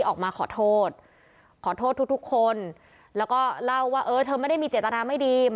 ออกมาขอโทษขอโทษทุกคนแล้วก็เล่าว่าเออเธอไม่ได้มีเจตนาไม่ดี